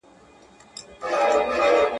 یوه ورځ ورسره کېږي حسابونه.